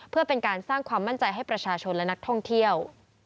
เพื่อเป็นการสร้างความมั่นใจให้ประชาชนและนักท่องเที่ยว